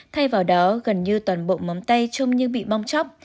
thay vào đó gần như toàn bộ móng tay chung như bị bong chóc